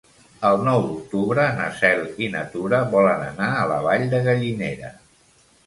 El nou d'octubre na Cel i na Tura volen anar a la Vall de Gallinera.